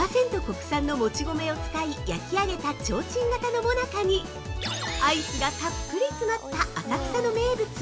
国産のもち米を使い焼き上げたちょうちん型の最中に、アイスがたっぷり詰まった浅草の名物！